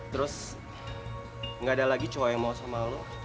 terus gak ada lagi cowok yang mau sama lo